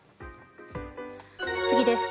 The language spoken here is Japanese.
次です。